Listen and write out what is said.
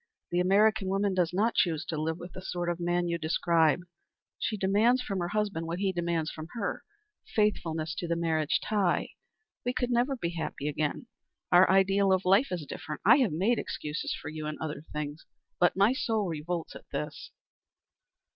"The American woman does not choose to live with the sort of man you describe. She demands from her husband what he demands from her, faithfulness to the marriage tie. We could never be happy again. Our ideal of life is different. I have made excuses for you in other things, but my soul revolts at this."